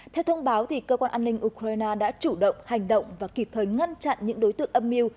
theo thông báo cơ quan an ninh ukraine đã chủ động hành động và kịp thời ngăn chặn những đối tượng âm mưu